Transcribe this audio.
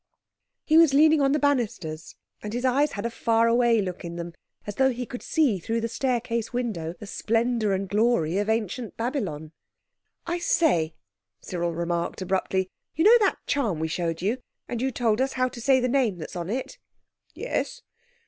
He was leaning on the banisters, and his eyes had a far away look in them, as though he could see through the staircase window the splendour and glory of ancient Babylon. "I say," Cyril remarked abruptly. "You know that charm we showed you, and you told us how to say the name that's on it?" "Yes!"